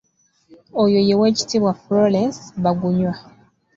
Oyo ye weekitiibwa Frolence Bagunywa.